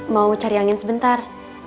mau cari angin sebentar